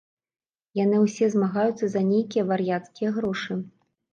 Яны ўсе змагаюцца за нейкія вар'яцкія грошы.